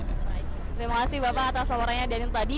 terima kasih bapak atas laporannya daniel tadi